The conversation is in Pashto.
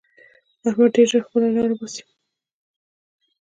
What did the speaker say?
احمد ډېر ژر خپله لاره باسي.